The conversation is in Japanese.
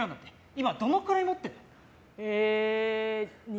今どのくらい持ってるの？